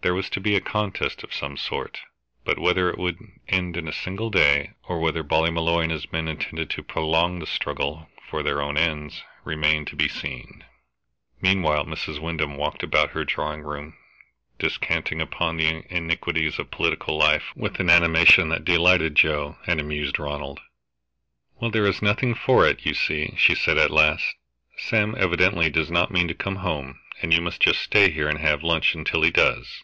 There was to be a contest of some sort, but whether it would end in a single day, or whether Ballymolloy and his men intended to prolong the struggle for their own ends, remained to be seen. Meanwhile Mrs. Wyndham walked about her drawing room descanting upon the iniquities of political life, with an animation that delighted Joe and amused Ronald. "Well, there is nothing for it, you see," she said at last. "Sam evidently does not mean to come home, and you must just stay here and have some lunch until he does."